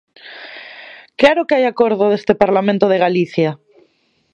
¡Claro que hai acordo deste Parlamento de Galicia!